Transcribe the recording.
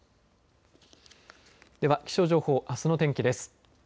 では気象情報あすの天気です。